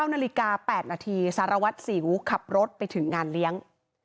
๑๙น๘นสารวัติศิลป์ขับรถไปถึงงานเลี้ยง